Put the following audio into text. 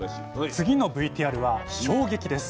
次のＶＴＲは衝撃です。